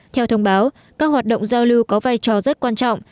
theo thông báo các hoạt động giao lưu có vai trò rất quan trọng